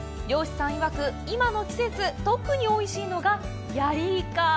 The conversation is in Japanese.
漁師さんいわく、今の季節、特においしいのがヤリイカ！